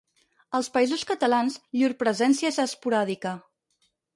Als Països Catalans llur presència és esporàdica.